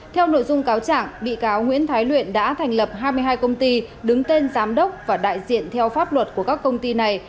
theo nội dung cáo trạng bị cáo nguyễn thái luyện đã thành lập hai mươi hai công ty đứng tên giám đốc và đại diện theo pháp luật của các công ty này